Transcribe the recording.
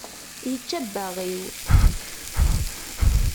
Yečča abbaɣ-iw.